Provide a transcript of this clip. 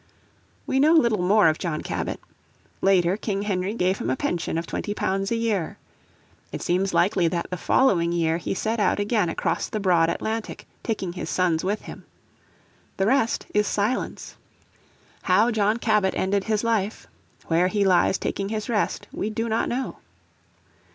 We know little more of John Cabot. Later King Henry gave him a pension of £20 a year. It seems likely that the following year he set out again across the broad Atlantic, taking his sons with him. "The rest is silence." How John Cabot ended his life, where he lies taking his rest, we do not know.